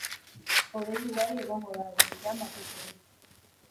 Hodei ugari egongo da, goizean batez ere.